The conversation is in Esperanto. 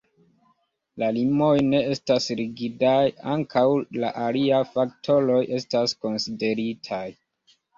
La limoj ne estas rigidaj, ankaŭ la aliaj faktoroj estas konsideritaj.